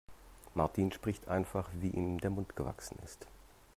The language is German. Martin spricht einfach, wie ihm der Mund gewachsen ist.